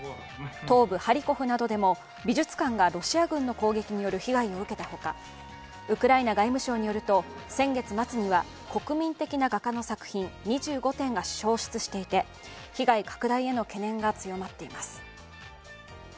東部ハリコフなどでも美術館がロシア軍による攻撃の被害を受けたほか、ウクライナ外務省によると先月末には、国民的な画家の作品２５点が焼失していて被害拡大への懸念が強まっています。